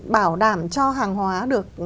bảo đảm cho hàng hóa được